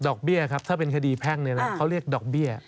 เบี้ยครับถ้าเป็นคดีแพ่งเขาเรียกดอกเบี้ย